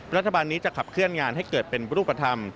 รัฐบาลนี้จะขับเคลื่อนงานให้เกิดเป็นรูปธรรม